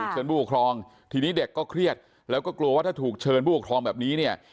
เชิญผู้ปกครองทีนี้เด็กก็เครียดแล้วก็กลัวว่าถ้าถูกเชิญผู้ปกครองแบบนี้เนี่ย